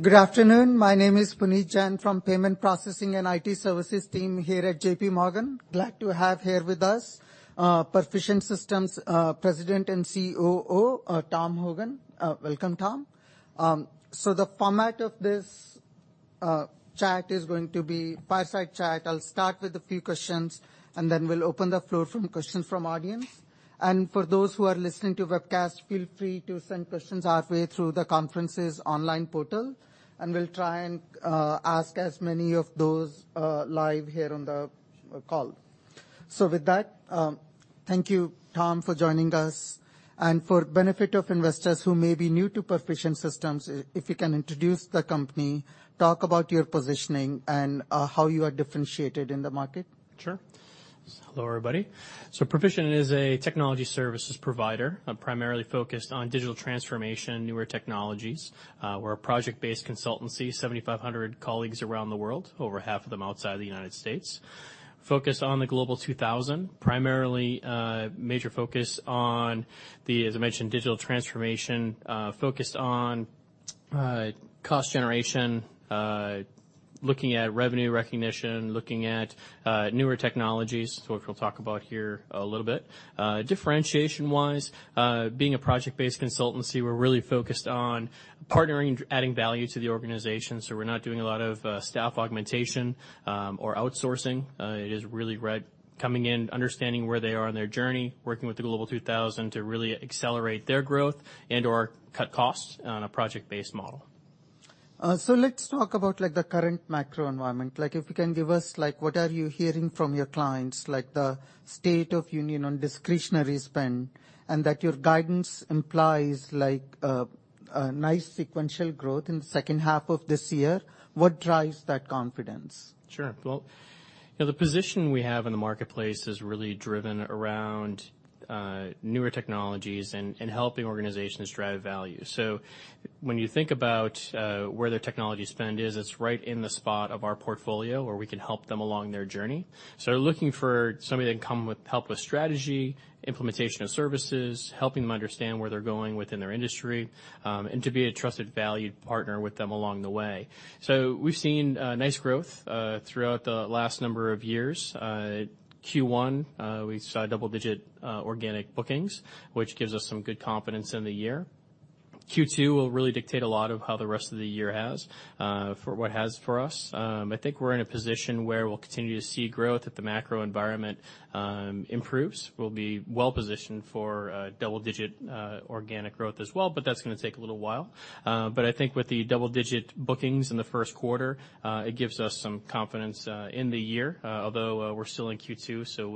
Good afternoon. My name is Puneet Jain from Payment Processing and IT Services team here at JPMorgan. Glad to have here with us, Perficient Systems' President and COO, Tom Hogan. Welcome, Tom. The format of this chat is going to be fireside chat. I'll start with a few questions, and then we'll open the floor for questions from audience. For those who are listening to webcast, feel free to send questions our way through the conference's online portal, and we'll try and ask as many of those live here on the call. With that, thank you, Tom, for joining us and for benefit of investors who may be new to Perficient Systems, if you can introduce the company, talk about your positioning, and how you are differentiated in the market. Sure. Hello, everybody. Perficient is a technology services provider, primarily focused on digital transformation, newer technologies. We're a project-based consultancy, 7,500 colleagues around the world, over half of them outside the United States. Focused on the Global 2000, primarily, major focus on the, as I mentioned, digital transformation, focused on cost generation, looking at revenue recognition, looking at newer technologies, which we'll talk about here a little bit. Differentiation-wise, being a project-based consultancy, we're really focused on partnering, adding value to the organization, so we're not doing a lot of staff augmentation or outsourcing. It is really coming in, understanding where they are in their journey, working with the Global 2000 to really accelerate their growth and/or cut costs on a project-based model. Let's talk about like the current macroenvironment. Like if you can give us, like what are you hearing from your clients, like the state of union on discretionary spend, and that your guidance implies like, a nice sequential growth in second half of this year. What drives that confidence? Sure, the position we have in the marketplace is really driven around newer technologies and helping organizations drive value. When you think about where their technology spend is, it's right in the spot of our portfolio where we can help them along their journey. Looking for somebody that can come with help with strategy, implementation of services, helping them understand where they're going within their industry, and to be a trusted valued partner with them along the way. We've seen nice growth throughout the last number of years. Q1, we saw double-digit organic bookings, which gives us some good confidence in the year. Q2 will really dictate a lot of how the rest of the year has for what has for us. I think we're in a position where we'll continue to see growth if the macroenvironment improves. We'll be well-positioned for double-digit organic growth as well, but that's gonna take a little while. I think with the double-digit bookings in the first quarter, it gives us some confidence in the year, although we're still in Q2, so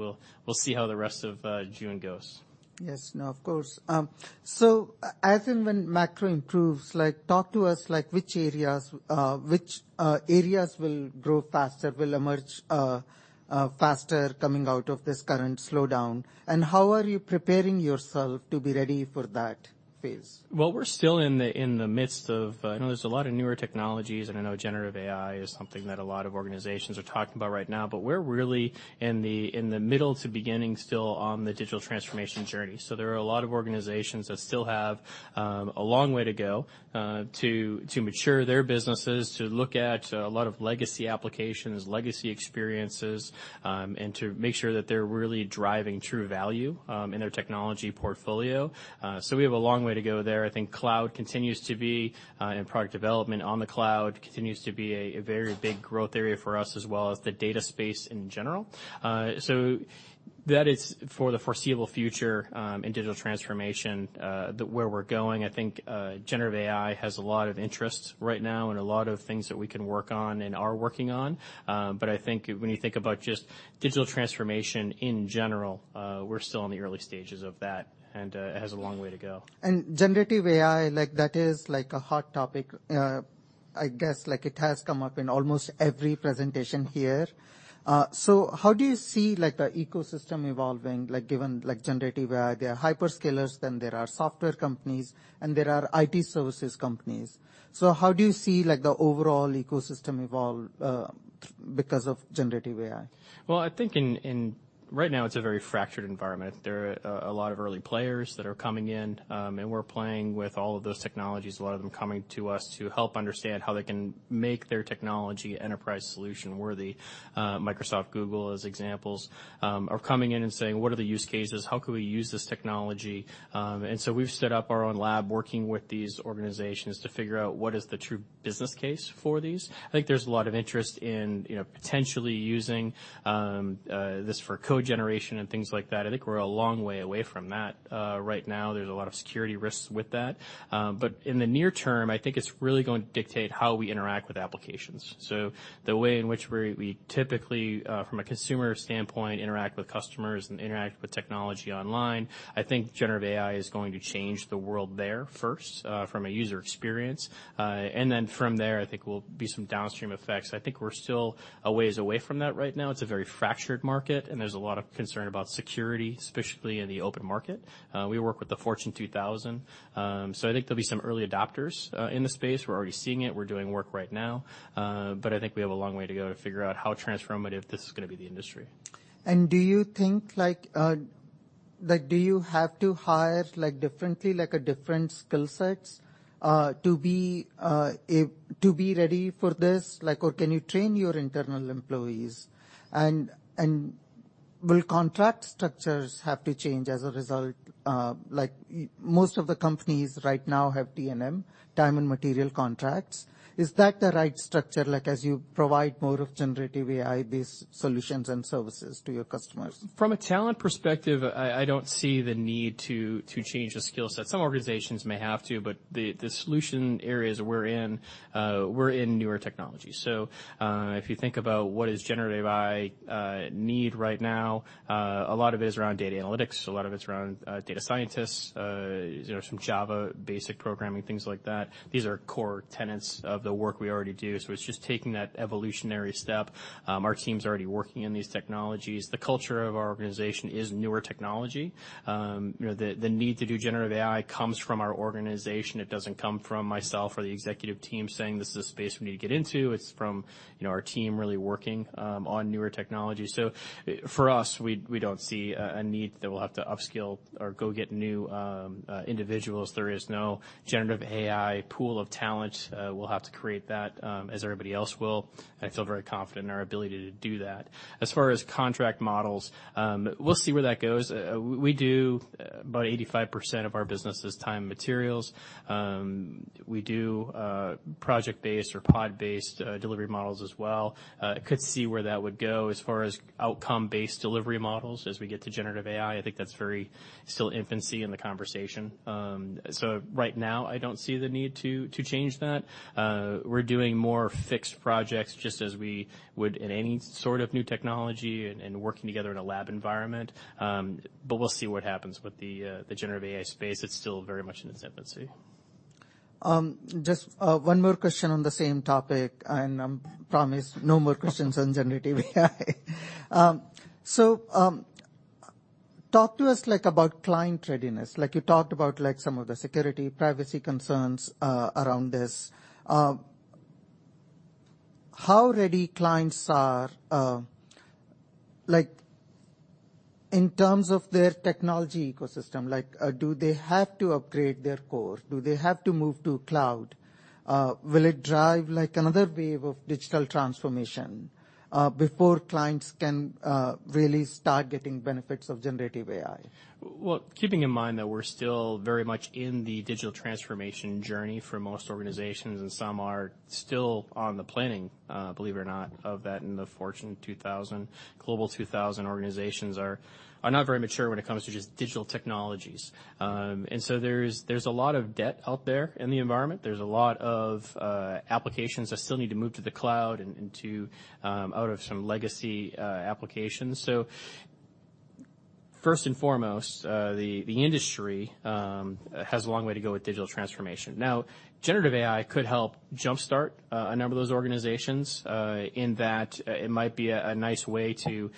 we'll see how the rest of June goes. Yes. No, of course. As and when macro improves, like talk to us, like which areas, which areas will grow faster, will emerge, faster coming out of this current slowdown? How are you preparing yourself to be ready for that phase? Well, we're still in the midst of. I know there's a lot of newer technologies, and I know generative AI is something that a lot of organizations are talking about right now. We're really in the middle to beginning still on the digital transformation journey. There are a lot of organizations that still have a long way to go to mature their businesses, to look at a lot of legacy applications, legacy experiences, and to make sure that they're really driving true value in their technology portfolio. We have a long way to go there. I think cloud continues to be and product development on the cloud continues to be a very big growth area for us, as well as the data space in general. That is for the foreseeable future, in digital transformation, where we're going. I think generative AI has a lot of interest right now and a lot of things that we can work on and are working on. I think when you think about just digital transformation in general, we're still in the early stages of that, and, it has a long way to go. Generative AI, like that is like a hot topic, I guess. Like it has come up in almost every presentation here. How do you see like the ecosystem evolving, like given like generative AI? There are hyperscalers, then there are software companies, and there are IT services companies. How do you see like the overall ecosystem evolve because of Generative AI? Well, I think right now it's a very fractured environment. There are a lot of early players that are coming in. We're playing with all of those technologies. A lot of them coming to us to help understand how they can make their technology enterprise solution worthy. Microsoft, Google as examples, are coming in and saying: What are the use cases? How can we use this technology? We've set up our own lab working with these organizations to figure out what is the true business case for these. I think there's a lot of interest in, you know, potentially using this for code generation and things like that. I think we're a long way away from that. Right now there's a lot of security risks with that. In the near term, I think it's really going to dictate how we interact with applications. The way in which we typically, from a consumer standpoint, interact with customers and interact with technology online, I think generative AI is going to change the world there first, from a user experience. From there, I think will be some downstream effects. I think we're still a ways away from that right now. It's a very fractured market, and there's a lot of concern about security, especially in the open market. We work with the Fortune 2000. I think there'll be some early adopters in the space. We're already seeing it. We're doing work right now. But I think we have a long way to go to figure out how transformative this is gonna be to the industry. Do you think like, do you have to hire like differently, like a different skill sets, to be ready for this? Like, or can you train your internal employees? Will contract structures have to change as a result? Like most of the companies right now have, T&M, time and material contracts. Is that the right structure, like as you provide more of generative AI, these solutions and services to your customers? From a talent perspective, I don't see the need to change the skill set. Some organizations may have to, but the solution areas we're in, we're in newer technology. If you think about what is generative AI need right now, a lot of it is around data analytics, a lot of it's around data scientists, you know, some Java basic programming, things like that. These are core tenets of the work we already do. It's just taking that evolutionary step. Our team's already working in these technologies. The culture of our organization is newer technology. You know, the need to do generative AI comes from our organization. It doesn't come from myself or the executive team saying, "This is a space we need to get into." It's from, you know, our team really working on newer technology. For us, we don't see a need that we'll have to upskill or go get new individuals. There is no generative AI pool of talent. We'll have to create that as everybody else will. I feel very confident in our ability to do that. As far as contract models, we'll see where that goes. About 85% of our business is Time and Materials. We do project-based or pod-based delivery models as well. Could see where that would go as far as outcome-based delivery models as we get to generative AI. I think that's very still infancy in the conversation. Right now I don't see the need to change that. We're doing more fixed projects just as we would in any sort of new technology and working together in a lab environment. We'll see what happens with the generative AI space. It's still very much in its infancy. Just one more question on the same topic, promise no more questions on generative AI. Talk to us like about client readiness. Like you talked about like some of the security, privacy concerns around this. How ready clients are like in terms of their technology ecosystem, like, do they have to upgrade their core? Do they have to move to cloud? Will it drive like another wave of digital transformation before clients can really start getting benefits of generative AI? Keeping in mind that we're still very much in the digital transformation journey for most organizations, and some are still on the planning, believe it or not, of that in the Fortune 2000, Global 2000 organizations are not very mature when it comes to just digital technologies. There's a lot of debt out there in the environment. There's a lot of applications that still need to move to the cloud and to out of some legacy applications. First and foremost, the industry has a long way to go with digital transformation. Generative AI could help jumpstart a number of those organizations in that it might be a nice way to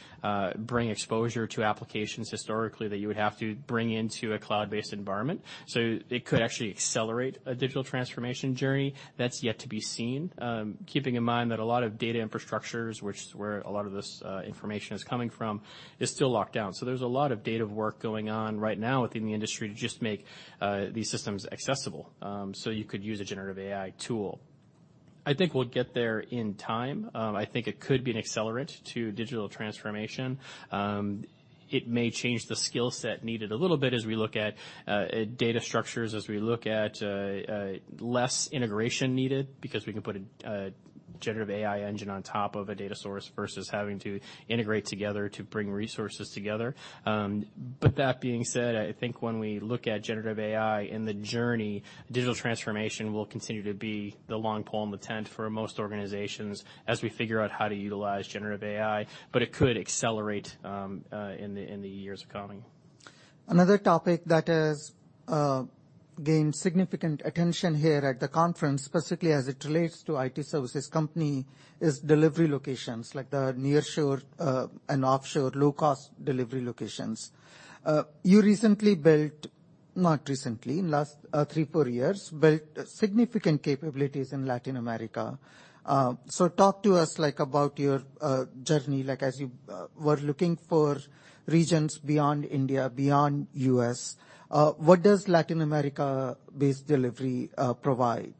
bring exposure to applications historically that you would have to bring into a cloud-based environment. It could actually accelerate a digital transformation journey. That's yet to be seen. Keeping in mind that a lot of data infrastructures, which is where a lot of this information is coming from, is still locked down. There's a lot of data work going on right now within the industry to just make these systems accessible, so you could use a generative AI tool. I think we'll get there in time. I think it could be an accelerant to digital transformation. It may change the skill set needed a little bit as we look at data structures, as we look at less integration needed because we can put a generative AI engine on top of a data source versus having to integrate together to bring resources together. That being said, I think when we look at generative AI in the journey, digital transformation will continue to be the long pole in the tent for most organizations as we figure out how to utilize generative AI, but it could accelerate in the years coming. Another topic that has gained significant attention here at the conference, specifically as it relates to IT services company, is delivery locations like the nearshore and offshore low-cost delivery locations. You recently built, not recently, in last three, four years, built significant capabilities in Latin America. Talk to us like about your journey, like as you were looking for regions beyond India, beyond U.S. What does Latin America-based delivery provide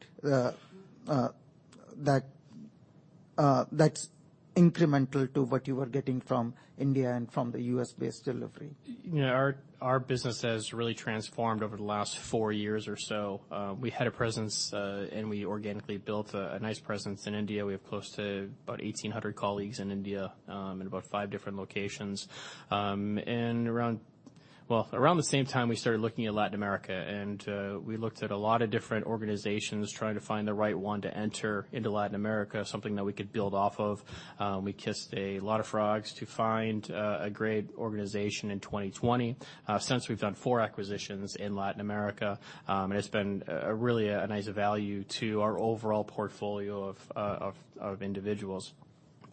that's incremental to what you were getting from India and from the U.S.-based delivery? You know, our business has really transformed over the last four years or so. We had a presence, we organically built a nice presence in India. We have close to about 1,800 colleagues in India, in about five different locations. Well, around the same time, we started looking at Latin America, and we looked at a lot of different organizations trying to find the right one to enter into Latin America, something that we could build off of. We kissed a lot of frogs to find a great organization in 2020. Since we've done four acquisitions in Latin America, and it's been really a nice value to our overall portfolio of individuals.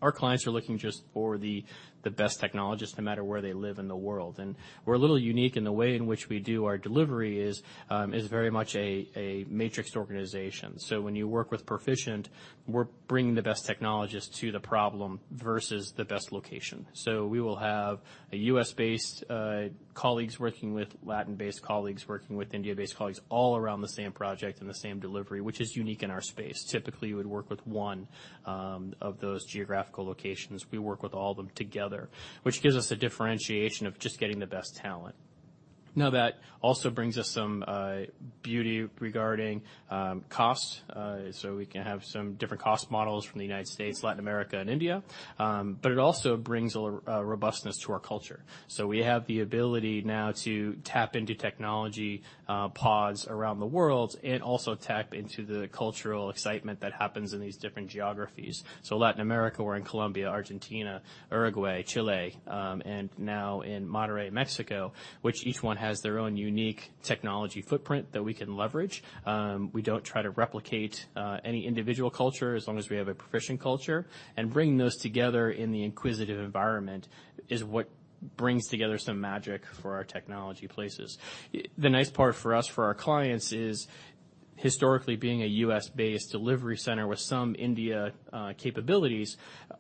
Our clients are looking just for the best technologists, no matter where they live in the world. We're a little unique in the way in which we do our delivery is very much a matrixed organization. When you work with Perficient, we're bringing the best technologists to the problem versus the best location. We will have a U.S.-based colleagues working with Latin-based colleagues, working with India-based colleagues all around the same project and the same delivery, which is unique in our space. Typically, you would work with one of those geographical locations. We work with all of them together, which gives us a differentiation of just getting the best talent. That also brings us some beauty regarding cost. We can have some different cost models from the United States, Latin America, and India. It also brings a robustness to our culture. We have the ability now to tap into technology pods around the world and also tap into the cultural excitement that happens in these different geographies. Latin America, we're in Colombia, Argentina, Uruguay, Chile, and now in Monterrey, Mexico, which each one has their own unique technology footprint that we can leverage. We don't try to replicate any individual culture as long as we have a Perficient culture. Bringing those together in the acquisitive environment is what brings together some magic for our technology places. The nice part for us for our clients is historically being a U.S.-based delivery center with some India capabilities,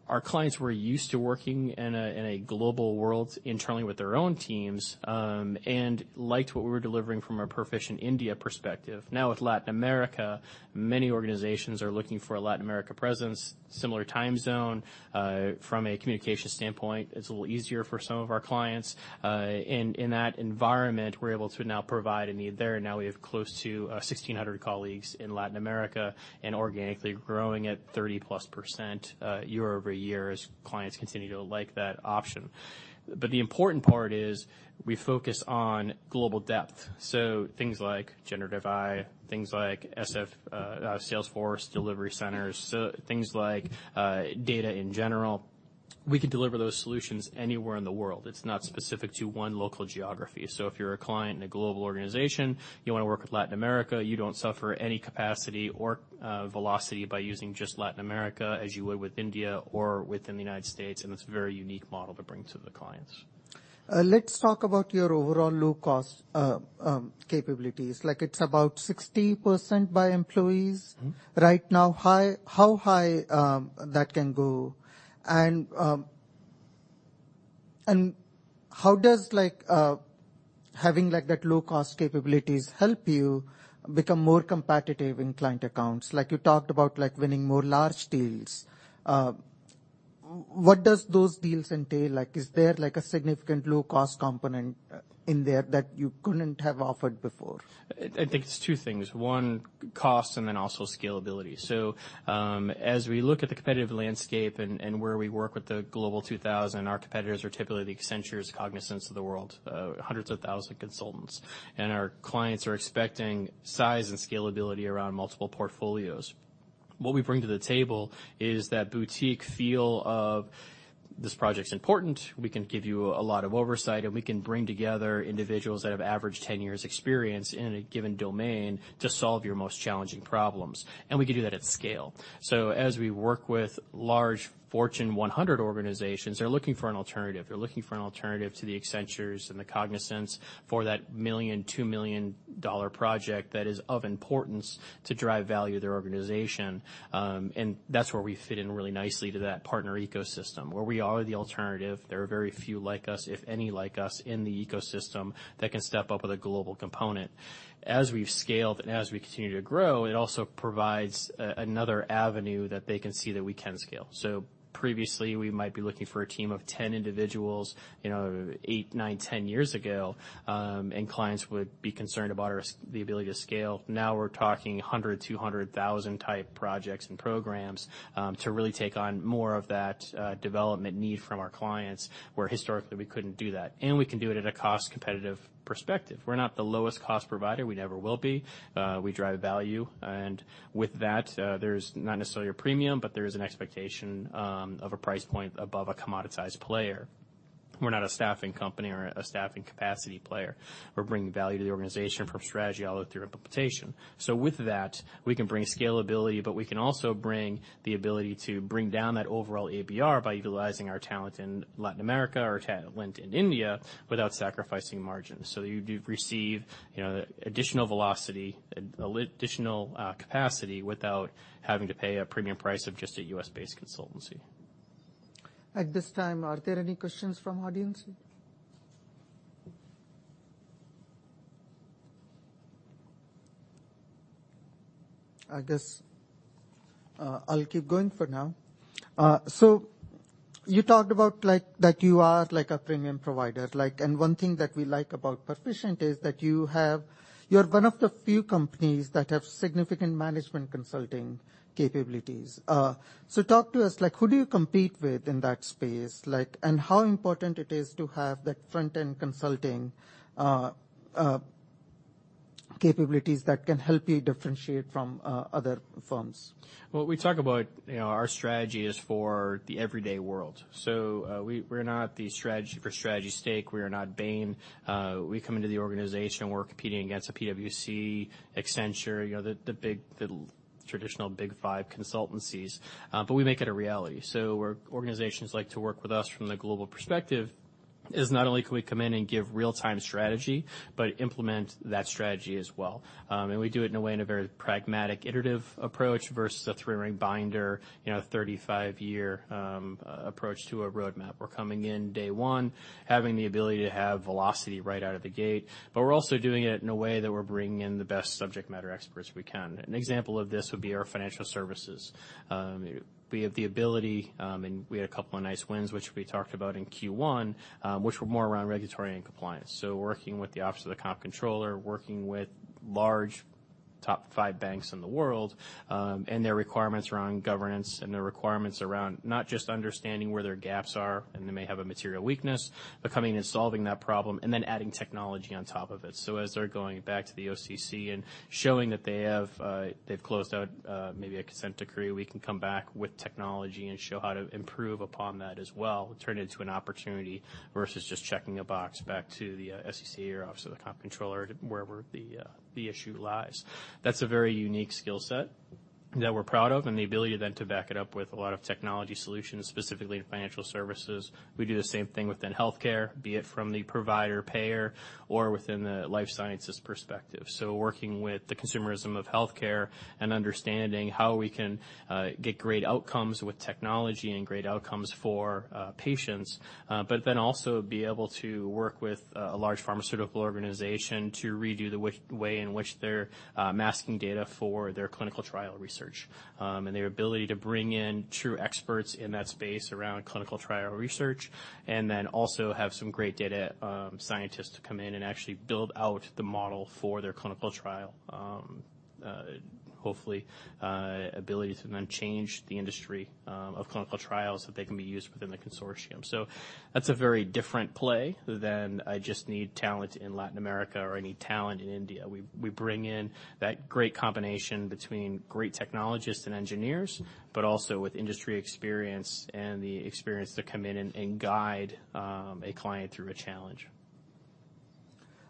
our clients were used to working in a, in a global world internally with their own teams, and liked what we were delivering from a Perficient India perspective. With Latin America, many organizations are looking for a Latin America presence, similar time zone. From a communication standpoint, it's a little easier for some of our clients. In that environment, we're able to now provide a need there. We have close to 1,600 colleagues in Latin America and organically growing at 30+% year-over-year as clients continue to like that option. The important part is we focus on global depth, so things like generative AI, things like Salesforce delivery centers, so things like data in general, we can deliver those solutions anywhere in the world. It's not specific to one local geography. If you're a client in a global organization, you wanna work with Latin America, you don't suffer any capacity or velocity by using just Latin America as you would with India or within the United States, and it's a very unique model to bring to the clients. Let's talk about your overall low cost capabilities. Like, it's about 60% by employees? Mm-hmm. Right now, how high that can go? How does like having like that low cost capabilities help you become more competitive in client accounts? Like, you talked about like winning more large deals. What does those deals entail? Like, is there like a significant low cost component in there that you couldn't have offered before? I think it's two things: one, cost, and then also scalability. As we look at the competitive landscape and where we work with the Global 2000, our competitors are typically the Accentures, Cognizants of the world, hundreds of thousand consultants. Our clients are expecting size and scalability around multiple portfolios. What we bring to the table is that boutique feel of this project's important, we can give you a lot of oversight, and we can bring together individuals that have average 10 years experience in a given domain to solve your most challenging problems, and we can do that at scale. As we work with large Fortune 100 organizations, they're looking for an alternative. They're looking for an alternative to the Accentures and the Cognizants for that $1 million-$2 million project that is of importance to drive value to their organization. And that's where we fit in really nicely to that partner ecosystem, where we are the alternative. There are very few like us, if any like us, in the ecosystem that can step up with a global component. As we've scaled and as we continue to grow, it also provides another avenue that they can see that we can scale. Previously, we might be looking for a team of 10 individuals, you know, eight, nine, 10 years ago, and clients would be concerned about our the ability to scale. We're talking 100,000-200,000 type projects and programs to really take on more of that development need from our clients, where historically we couldn't do that. We can do it at a cost-competitive perspective. We're not the lowest cost provider. We never will be. We drive value. With that, there's not necessarily a premium, but there is an expectation of a price point above a commoditized player. We're not a staffing company or a staffing capacity player. We're bringing value to the organization from strategy all the way through implementation. With that, we can bring scalability, but we can also bring the ability to bring down that overall ABR by utilizing our talent in Latin America or talent in India without sacrificing margins. You do receive, you know, additional velocity, additional capacity without having to pay a premium price of just a U.S.-based consultancy. At this time, are there any questions from audience? I guess, I'll keep going for now. You talked about like that you are like a premium provider. Like, one thing that we like about Perficient is that You're one of the few companies that have significant management consulting capabilities. Talk to us, like, who do you compete with in that space? Like, how important it is to have that front-end consulting capabilities that can help you differentiate from other firms. Well, we talk about, you know, our strategy is for the everyday world. We're not the strategy for strategy stake. We are not Bain. We come into the organization, we're competing against the PwC, Accenture, you know, the big, the traditional Big Five consultancies, we make it a reality. Where organizations like to work with us from the global perspective is not only can we come in and give real-time strategy, but implement that strategy as well. We do it in a way, in a very pragmatic, iterative approach versus a three-ring binder, you know, 35-year approach to a roadmap. We're coming in day one, having the ability to have velocity right out of the gate, but we're also doing it in a way that we're bringing in the best subject matter experts we can. An example of this would be our financial services. We have the ability, and we had a couple of nice wins, which we talked about in Q1, which were more around regulatory and compliance. Working with the Office of the Comptroller, working with large top five banks in the world, and their requirements around governance and their requirements around not just understanding where their gaps are, and they may have a material weakness, but coming and solving that problem, and then adding technology on top of it. As they're going back to the OCC and showing that they have, they've closed out, maybe a consent decree, we can come back with technology and show how to improve upon that as well, and turn it into an opportunity versus just checking a box back to the SEC or Office of the Comptroller, wherever the issue lies. That's a very unique skill set that we're proud of, and the ability then to back it up with a lot of technology solutions, specifically in financial services. We do the same thing within healthcare, be it from the provider payer or within the life sciences perspective. Working with the consumerism of healthcare and understanding how we can get great outcomes with technology and great outcomes for patients, also be able to work with a large pharmaceutical organization to redo the way in which they're masking data for their clinical trial research, and their ability to bring in true experts in that space around clinical trial research, also have some great data scientists to come in and actually build out the model for their clinical trial, hopefully, ability to then change the industry of clinical trials so that they can be used within the consortium. That's a very different play than I just need talent in Latin America or I need talent in India. We bring in that great combination between great technologists and engineers, but also with industry experience and the experience to come in and guide a client through a challenge.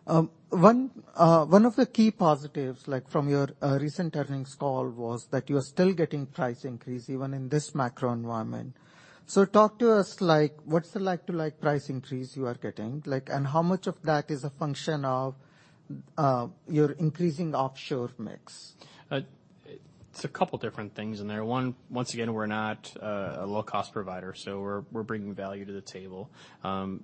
One of the key positives, like from your recent earnings call was that you are still getting price increase even in this macro environment. Talk to us like what's the like-to-like price increase you are getting, like, and how much of that is a function of your increasing offshore mix? It's a couple different things in there. One, once again, we're not a low-cost provider, so we're bringing value to the table.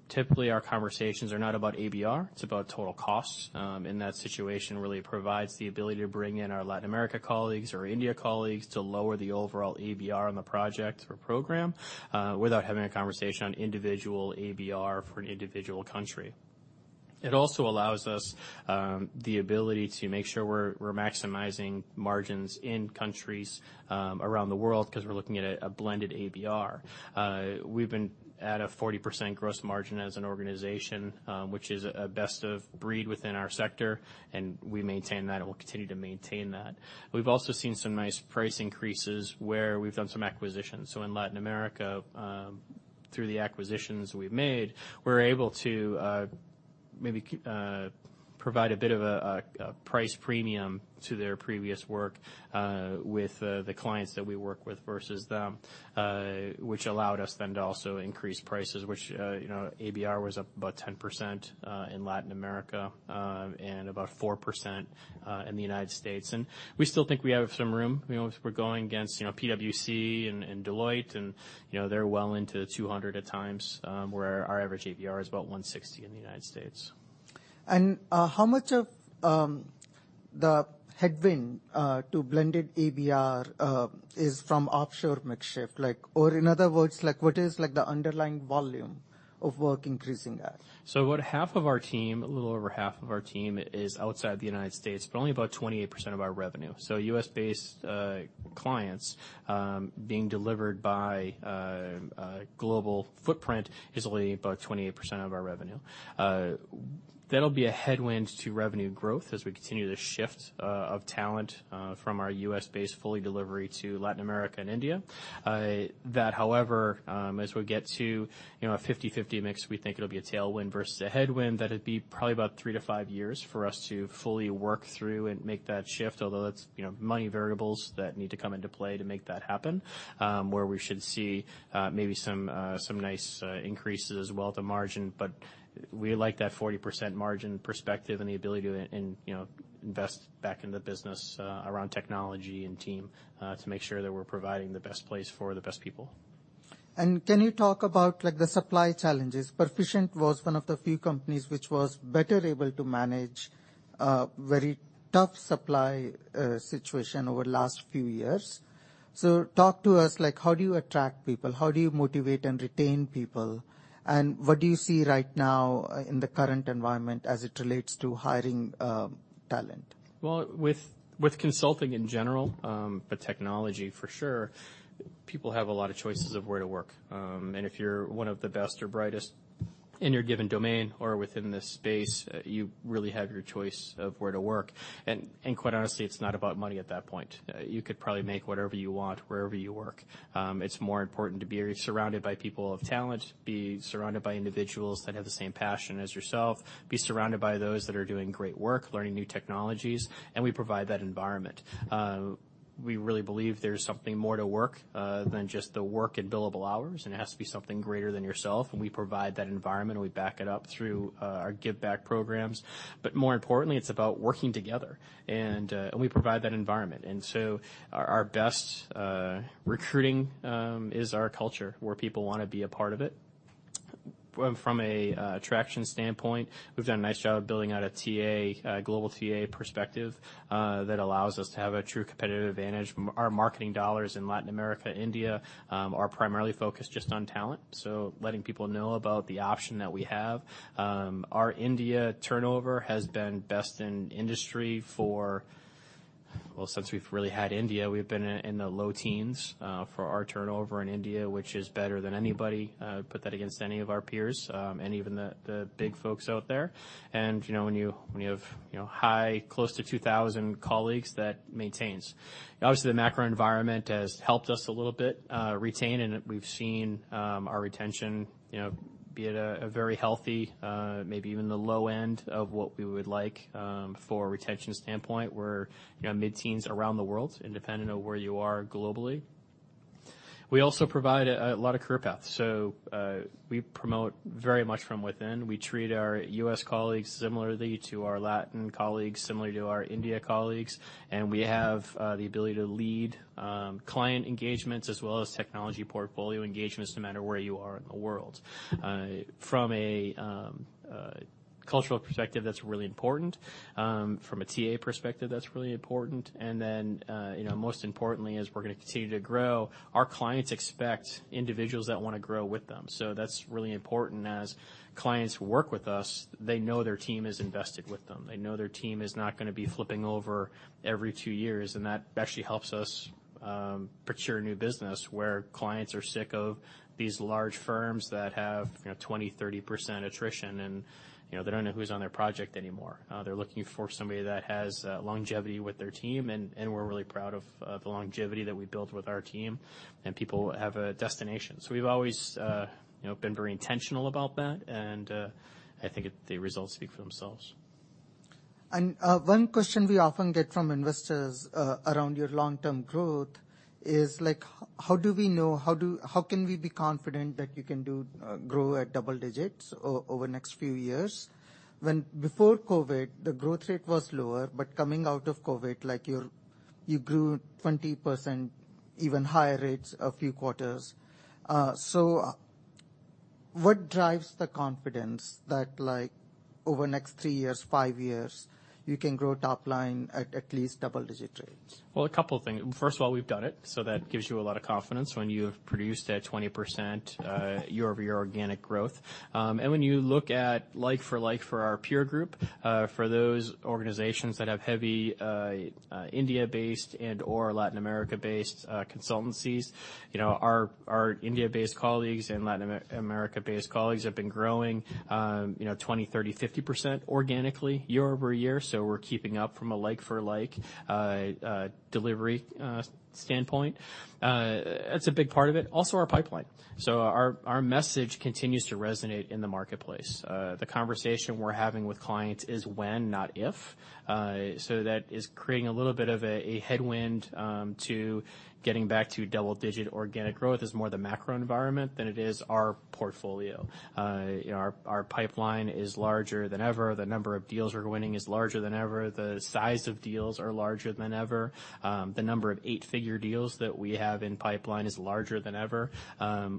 Typically, our conversations are not about ABR, it's about total cost. That situation really provides the ability to bring in our Latin America colleagues or India colleagues to lower the overall ABR on the project or program, without having a conversation on individual ABR for an individual country. It also allows us the ability to make sure we're maximizing margins in countries around the world because we're looking at a blended ABR. We've been at a 40% gross margin as an organization, which is a best of breed within our sector, and we maintain that and will continue to maintain that. We've also seen some nice price increases where we've done some acquisitions. In Latin America, through the acquisitions we've made, we're able to maybe provide a bit of a price premium to their previous work with the clients that we work with versus them, which allowed us then to also increase prices, which, you know, ABR was up about 10% in Latin America, and about 4% in the United States. We still think we have some room. You know, if we're going against, you know, PwC and Deloitte and, you know, they're well into $200 at times, where our average ABR is about $160 in the United States. How much of the headwind to blended ABR is from offshore mix shift? Like, or in other words, like what is like the underlying volume of work increasing that? About half of our team, a little over half of our team is outside the United States, but only about 28% of our revenue. U.S.-based clients being delivered by a global footprint is only about 28% of our revenue. That'll be a headwind to revenue growth as we continue to shift of talent from our U.S. base fully delivery to Latin America and India. That, however, as we get to, you know, a 50/50 mix, we think it'll be a tailwind versus a headwind, that it'd be probably about three to five years for us to fully work through and make that shift. Although that's, you know, money variables that need to come into play to make that happen, where we should see maybe some nice increases as well to margin. We like that 40% margin perspective and the ability to, you know, invest back in the business, around technology and team, to make sure that we're providing the best place for the best people. Can you talk about like the supply challenges? Perficient was one of the few companies which was better able to manage a very tough supply situation over the last few years. Talk to us like how do you attract people? How do you motivate and retain people? What do you see right now in the current environment as it relates to hiring talent? Well, with consulting in general, but technology for sure, people have a lot of choices of where to work. If you're one of the best or brightest in your given domain or within the space, you really have your choice of where to work. Quite honestly, it's not about money at that point. You could probably make whatever you want wherever you work. It's more important to be surrounded by people of talent, be surrounded by individuals that have the same passion as yourself, be surrounded by those that are doing great work, learning new technologies, and we provide that environment. We really believe there's something more to work, than just the work and billable hours, and it has to be something greater than yourself, and we provide that environment, and we back it up through our give back programs. More importantly, it's about working together, and we provide that environment. Our best recruiting is our culture, where people wanna be a part of it. From a traction standpoint, we've done a nice job of building out a TA, a global TA perspective that allows us to have a true competitive advantage. Our marketing dollars in Latin America, India, are primarily focused just on talent, so letting people know about the option that we have. Our India turnover has been best in industry for. Well, since we've really had India, we've been in the low teens for our turnover in India, which is better than anybody. Put that against any of our peers, and even the big folks out there. You know, when you, when you have, you know, high, close to 2,000 colleagues, that maintains. Obviously, the macro environment has helped us a little bit, retain, and we've seen our retention, you know, be at a very healthy, maybe even the low end of what we would like for a retention standpoint. We're, you know, mid-teens around the world, independent of where you are globally. We also provide a lot of career paths. We promote very much from within. We treat our U.S. colleagues similarly to our Latin colleagues, similarly to our India colleagues. We have the ability to lead client engagements as well as technology portfolio engagements no matter where you are in the world. From a cultural perspective, that's really important. From a TA perspective, that's really important. Then, you know, most importantly, as we're gonna continue to grow, our clients expect individuals that wanna grow with them. That's really important. As clients work with us, they know their team is invested with them. They know their team is not gonna be flipping over every two years, and that actually helps us procure new business, where clients are sick of these large firms that have, you know, 20%, 30% attrition, and, you know, they don't know who's on their project anymore. They're looking for somebody that has longevity with their team, and we're really proud of the longevity that we've built with our team. People have a destination. We've always, you know, been very intentional about that and I think the results speak for themselves. One question we often get from investors, around your long-term growth is, like, how can we be confident that you can do, grow at double digits over the next few years? Before COVID, the growth rate was lower, but coming out of COVID, like, you grew 20%, even higher rates a few quarters. What drives the confidence that, like, over the next three years, five years, you can grow top line at least double-digit rates? Well, a couple things. First of all, we've done it, so that gives you a lot of confidence when you've produced a 20% year-over-year organic growth. When you look at like for like for our peer group, for those organizations that have heavy India-based and/or Latin America-based consultancies, you know, our India-based colleagues and Latin America-based colleagues have been growing, you know, 20%, 30%, 50% organically year-over-year. We're keeping up from a like for like delivery standpoint. That's a big part of it. Also our pipeline. Our message continues to resonate in the marketplace. The conversation we're having with clients is when, not if. That is creating a little bit of a headwind to getting back to double-digit organic growth is more the macro environment than it is our portfolio. You know, our pipeline is larger than ever. The number of deals we're winning is larger than ever. The size of deals are larger than ever. The number of eight-figure deals that we have in pipeline is larger than ever.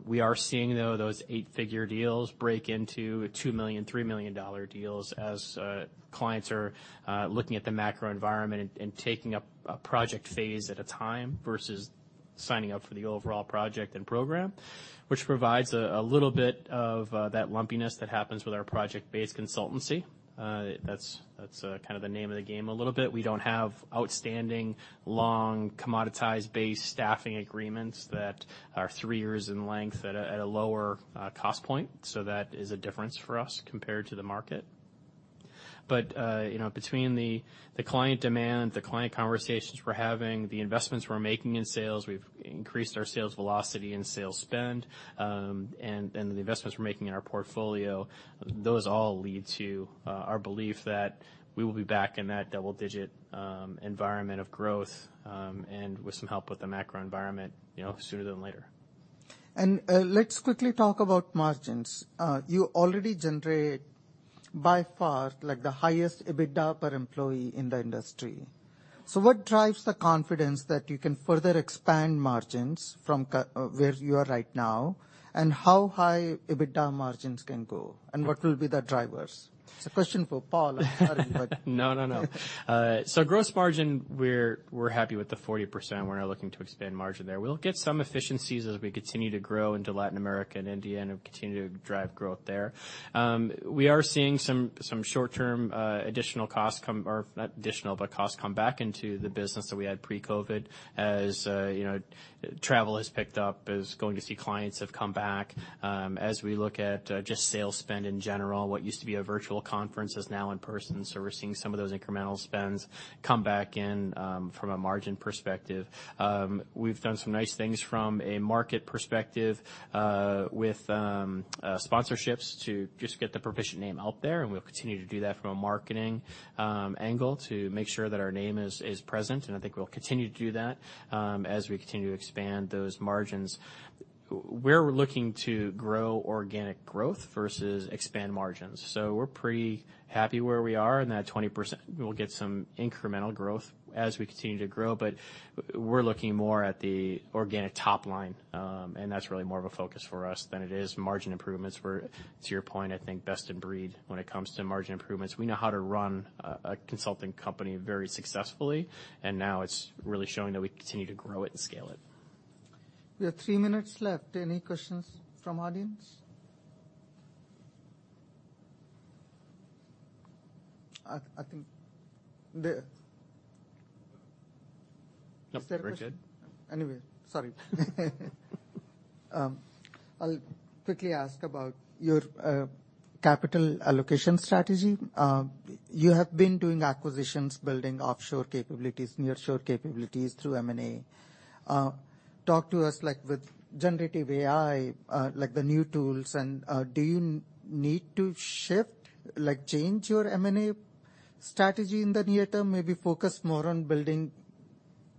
We are seeing, though, those eight-figure deals break into $2 million, $3 million deals as clients are looking at the macro environment and taking a project phase at a time versus signing up for the overall project and program, which provides a little bit of that lumpiness that happens with our project-based consultancy. That's kind of the name of the game a little bit. We don't have outstanding long commoditized-based staffing agreements that are 3 years in length at a lower cost point. That is a difference for us compared to the market. You know, between the client demand, the client conversations we're having, the investments we're making in sales, we've increased our sales velocity and sales spend, and the investments we're making in our portfolio, those all lead to our belief that we will be back in that double-digit environment of growth, and with some help with the macro environment, you know, sooner than later. Let's quickly talk about margins. You already generate by far, like, the highest EBITDA per employee in the industry. What drives the confidence that you can further expand margins from where you are right now, and how high EBITDA margins can go, and what will be the drivers? It's a question for Paul. I'm sorry, but No, no. Gross margin, we're happy with the 40%. We're not looking to expand margin there. We'll get some efficiencies as we continue to grow into Latin America and India and continue to drive growth there. We are seeing some short-term, costs come back into the business that we had pre-COVID, as, you know, travel has picked up, as going to see clients have come back. As we look at, just sales spend in general, what used to be a virtual conference is now in person, we're seeing some of those incremental spends come back in, from a margin perspective. We've done some nice things from a market perspective, with sponsorships to just get the Perficient name out there, and we'll continue to do that from a marketing angle to make sure that our name is present, and I think we'll continue to do that, as we continue to expand those margins. We're looking to grow organic growth versus expand margins. We're pretty happy where we are in that 20%. We'll get some incremental growth as we continue to grow, but we're looking more at the organic top line, and that's really more of a focus for us than it is margin improvements. Where to your point, I think best in breed when it comes to margin improvements. We know how to run a consulting company very successfully, and now it's really showing that we continue to grow it and scale it. We have three minutes left. Any questions from audience? I think the... Richard? Sorry. I'll quickly ask about your capital allocation strategy. You have been doing acquisitions, building offshore capabilities, nearshore capabilities through M&A. Talk to us like with generative AI, like the new tools and, do you need to shift, like change your M&A strategy in the near term? Maybe focus more on building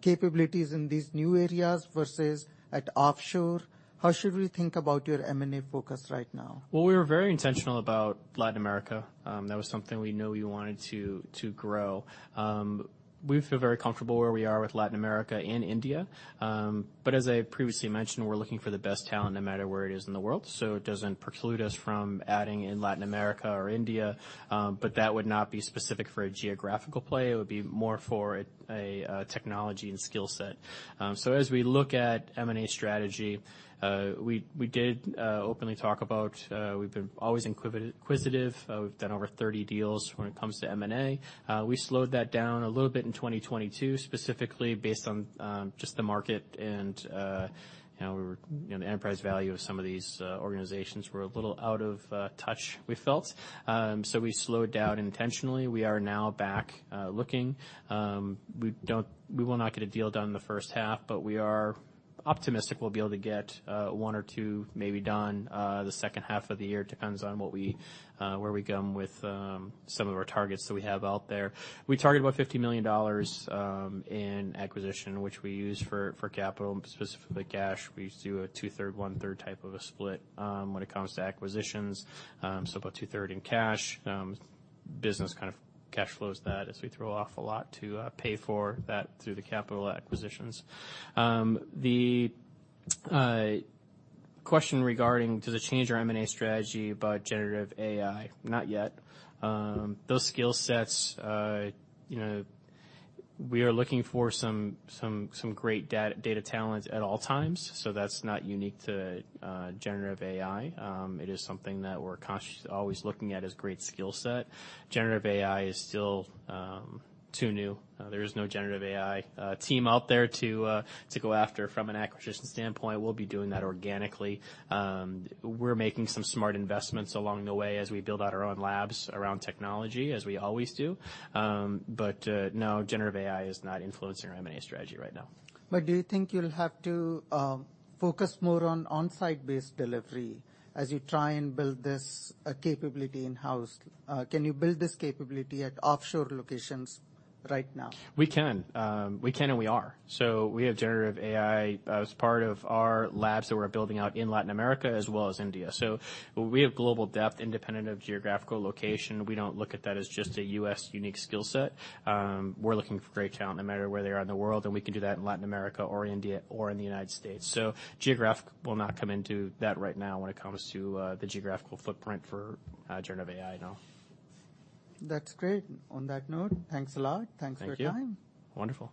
capabilities in these new areas versus at offshore. How should we think about your M&A focus right now? Well, we were very intentional about Latin America. That was something we knew we wanted to grow. We feel very comfortable where we are with Latin America and India. As I previously mentioned, we're looking for the best talent no matter where it is in the world. It doesn't preclude us from adding in Latin America or India. That would not be specific for a geographical play. It would be more for a technology and skill set. As we look at M&A strategy, we did openly talk about we've been always acquisitive. We've done over 30 deals when it comes to M&A. We slowed that down a little bit in 2022, specifically based on, you know, just the market and the enterprise value of some of these organizations were a little out of touch, we felt. We slowed down intentionally. We will not get a deal done in the first half, but we are optimistic we'll be able to get one or two maybe done the second half of the year. Depends on what we where we come with some of our targets that we have out there. We target about $50 million in acquisition, which we use for capital, specifically cash. We used to do a 2/3, 1/3 type of a split when it comes to acquisitions. About two-third in cash. Business kind of cash flows that as we throw off a lot to pay for that through the capital acquisitions. The question regarding do the change our M&A strategy about generative AI? Not yet. Those skill sets, you know, we are looking for some great data talent at all times, so that's not unique to generative AI. It is something that we're conscious, always looking at as great skill set. Generative AI is still too new. There is no generative AI team out there to go after from an acquisition standpoint. We'll be doing that organically. We're making some smart investments along the way as we build out our own labs around technology, as we always do. No, generative AI is not influencing our M&A strategy right now. Do you think you'll have to focus more on on-site based delivery as you try and build this capability in-house? Can you build this capability at offshore locations right now? We can. We can, and we are. We have generative AI as part of our labs that we're building out in Latin America as well as India. We have global depth independent of geographical location. We don't look at that as just a U.S. unique skill set. We're looking for great talent no matter where they are in the world, and we can do that in Latin America or India or in the United States. Geographic will not come into that right now when it comes to the geographical footprint for generative AI, no. That's great. On that note, thanks a lot. Thank you. Thanks for your time. Wonderful.